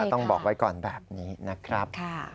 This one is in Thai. ต้องบอกไว้ก่อนแบบนี้นะครับ